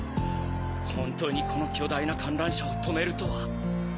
本当にこの巨大な観覧車を止めるとは。